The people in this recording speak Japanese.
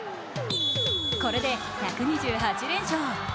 これで１２８連勝。